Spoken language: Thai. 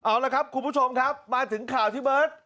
เอาละครับคุณผู้ชมครับมาถึงข่าวที่เบิร์ต